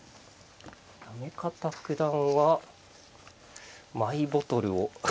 行方九段はマイボトルを。